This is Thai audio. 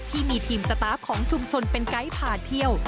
ที่มีทีมสตาร์ฟของชุมชนเป็นไกด์พาเที่ยว